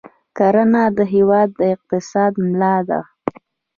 کرنه د هېواد د اقتصاد ملا ده.